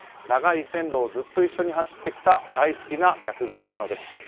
長い線路をずっと一緒に走ってきた大好きな役柄なのです。